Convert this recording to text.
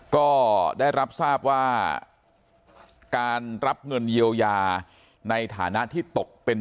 ก็ได้รับทราบว่าการรับเงินเยียวยาในฐานะที่ตกเป็น